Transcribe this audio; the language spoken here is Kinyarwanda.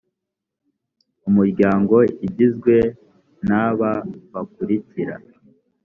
umuryango igizwe n’aba bakurikira